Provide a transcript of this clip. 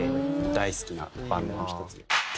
大好きなバンドの１つ。